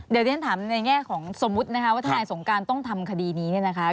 เดี๋ยวที่ฉันถามในแง่ของสมมุตินะคะว่าทนายสงการต้องทำคดีนี้เนี่ยนะคะ